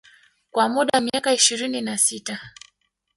Kwa muda wa miaka ishirini na sita